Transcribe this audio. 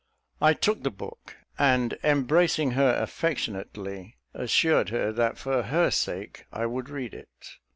I took the book, and embracing her affectionately, assured her, that for her sake I would read it.